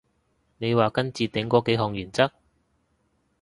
你話跟置頂嗰幾項原則？